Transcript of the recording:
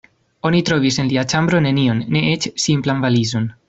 Oni trovis en lia ĉambro nenion, ne eĉ simplan valizon.